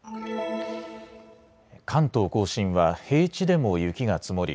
関東甲信は平地でも雪が積もり